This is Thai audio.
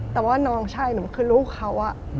แต่ว่าน้องชายหนูคือลูกเขา